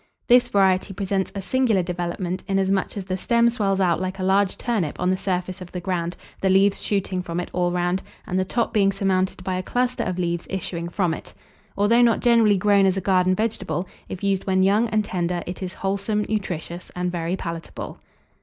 This variety presents a singular development, inasmuch as the stem swells out like a large turnip on the surface of the ground, the leaves shooting from it all round, and the top being surmounted by a cluster of leaves issuing from it. Although not generally grown as a garden vegetable, if used when young and tender, it is wholesome, nutritious, and very palatable.